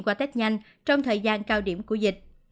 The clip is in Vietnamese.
qua tết nhanh trong thời gian cao điểm của dịch